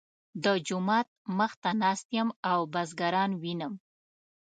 د جومات مخ ته ناست یم او بزګران وینم.